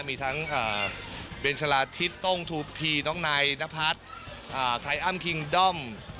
มีทั้งอ่าเบนชราธิตต้งทูพีน้องนายนพัฒน์อ่าไครอัมคิงด้อม